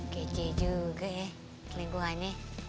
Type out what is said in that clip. kece juga ya selingkuhannya